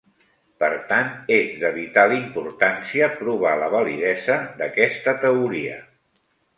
Per tant, és de vital importància provar la validesa d'aquesta teoria.